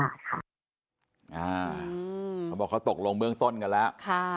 เขาบอกเขาตกลงเบื้องต้นกันแล้ว